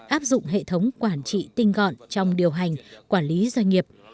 áp dụng hệ thống quản trị tinh gọn trong điều hành quản lý doanh nghiệp